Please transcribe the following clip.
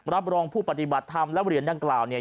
รับรองผู้ปฏิบัติธรรมและเหรียญดังกล่าวเนี่ย